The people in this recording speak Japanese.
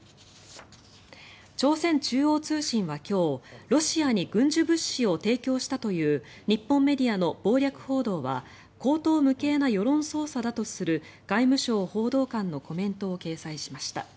朝鮮中央通信は今日ロシアに軍需物資を提供したという日本メディアの謀略報道は荒唐無稽な世論操作だとする外務省報道官のコメントを掲載しました。